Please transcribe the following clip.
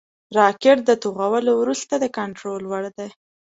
راکټ د توغولو وروسته د کنټرول وړ دی